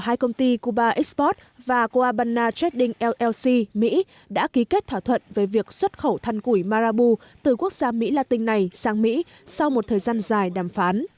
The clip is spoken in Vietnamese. hai công ty cuba export và la habana trading llc mỹ đã ký kết thỏa thuận về việc xuất khẩu than củi marabu từ quốc gia mỹ latin này sang mỹ sau một thời gian dài đàm phán